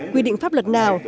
quy định pháp luật nào